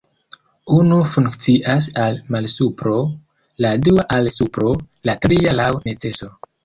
Unu funkcias al malsupro, la dua al supro, la tria laŭ neceso.